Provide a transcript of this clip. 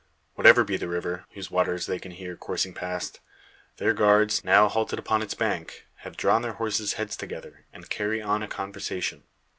Whatever be the river whose waters they can hear coursing past, their guards, now halted upon its bank, have drawn their horses' heads together, and carry on a conversation.